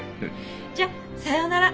じゃさようなら。